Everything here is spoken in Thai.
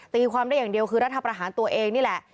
ตีความได้อย่างเดียวคือรัฐประหารตัวเองนี่แหละ